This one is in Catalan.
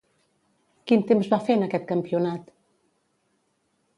Quin temps va fer en aquest campionat?